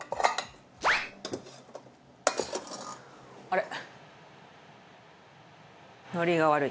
あれ？